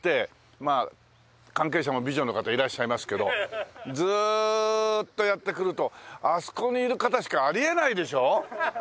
まあ関係者も美女の方いらっしゃいますけどずーっとやってくるとあそこにいる方しかあり得ないでしょ？